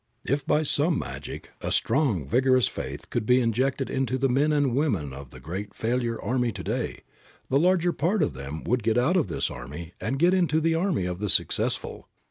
If, by some magic, a strong, vigorous faith could be injected into the men and women of the great failure army to day, the larger part of them would get out of this army and get into the army of the successful.